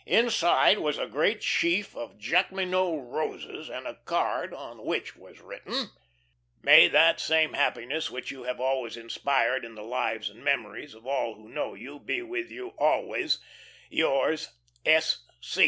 Inside was a great sheaf of Jacqueminot roses and a card, on which was written: "May that same happiness which you have always inspired in the lives and memories of all who know you be with you always. "Yrs. S.